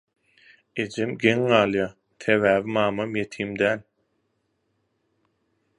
Ejem geň galýa, sebäbi mamam ýetim däl.